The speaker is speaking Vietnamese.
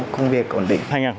công việc ổn định